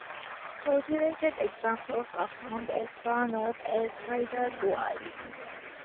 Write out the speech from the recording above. Cultivated examples are found as far north as Haida Gwaii.